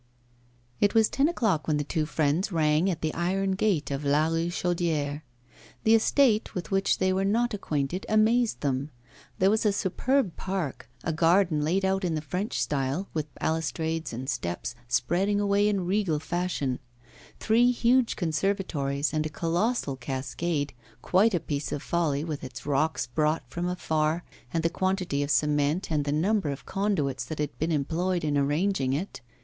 It was ten o'clock when the two friends rang at the iron gate of La Richaudière. The estate, with which they were not acquainted, amazed them. There was a superb park, a garden laid out in the French style, with balustrades and steps spreading away in regal fashion; three huge conservatories and a colossal cascade quite a piece of folly, with its rocks brought from afar, and the quantity of cement and the number of conduits that had been employed in arranging it.